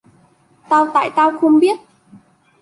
tao tại tao không biết